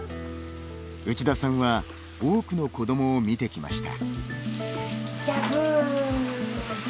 内田さんは、多くの子どもを見てきました。